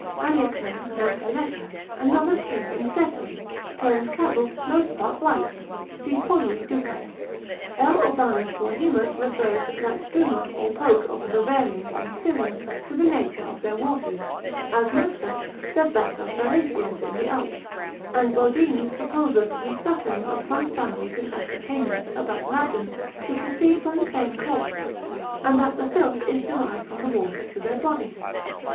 Aleacman now Peleca, another stream in Thessaly, turns cattle most part white, si polui ducas, L. Aubanus Rohemus refers that struma or poke of the Bavarians and Styrians to the nature of their waters, as Munster doth that of Valesians in the Alps, and Bodine supposeth the stuttering of some families in Aquitania, about Labden, to proceed from the same cause, and that the filth is derived from the water to their bodies.